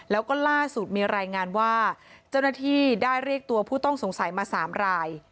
แล้วก็ล่าสุดมีรายงานว่าเจ้าหน้าที่ได้เรียกตัวผู้ต้องสงสัยมา๓ราย